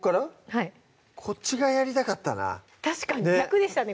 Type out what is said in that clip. はいこっち側やりたかったなたしかに逆でしたね